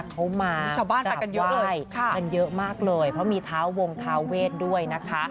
เขามากราบไหว้เยอะมากเลยเพราะมีท้าวงทาเวศด้วยนะคะ